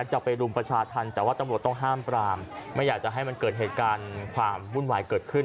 จะไปรุมประชาธรรมแต่ว่าตำรวจต้องห้ามปรามไม่อยากจะให้มันเกิดเหตุการณ์ความวุ่นวายเกิดขึ้น